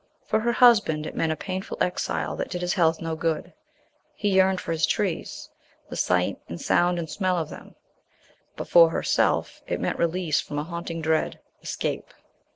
For her husband it meant a painful exile that did his health no good; he yearned for his trees the sight and sound and smell of them; but for herself it meant release from a haunting dread escape.